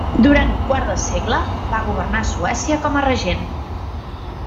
Durant un quart de segle va governar Suècia com a regent.